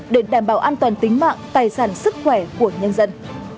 để đảm bảo an toàn tính mạng tài sản sức khỏe của nhân dân